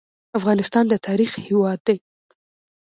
افغانستان د تاریخ هیواد دی